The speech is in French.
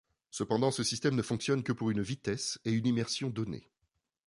Cependant, ce système ne fonctionne que pour une vitesse et une immersion donnée.